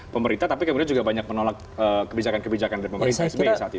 pemerintah tapi kemudian juga banyak menolak kebijakan kebijakan dari pemerintah sbi saat itu